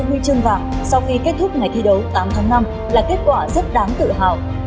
huy chương vàng sau khi kết thúc ngày thi đấu tám tháng năm là kết quả rất đáng tự hào